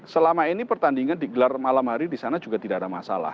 selama ini pertandingan di gelar malam hari disana juga tidak ada masalah